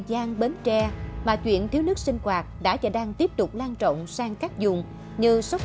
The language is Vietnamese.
giang bến tre mà chuyện thiếu nước sinh hoạt đã và đang tiếp tục lan trọng sang các dùng như sóc